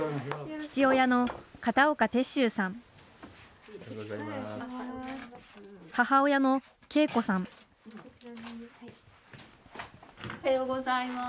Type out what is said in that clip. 母親の啓子さんおはようございます。